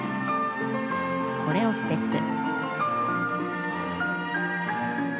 コレオステップ。